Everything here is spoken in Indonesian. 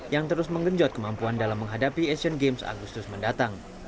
yang terus menggenjot kemampuan dalam menghadapi asian games agustus mendatang